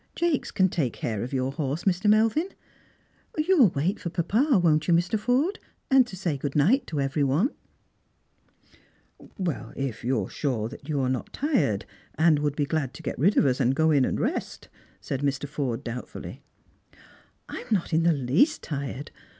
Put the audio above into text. " Jakes can take care of your horse, Mr. Melvin , You'll wait for papa, won't you Mr. Forde, and to say good night to every one P "" If you are sure that you are not tired, and would be glad to get rid of us and go in and rest," said Mr. Forde doubtfully. " I am not in the least tired.